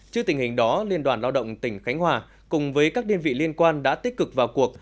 trước tình hình đó liên đoàn lao động tỉnh khánh hòa cùng với các đơn vị liên quan đã tích cực vào cuộc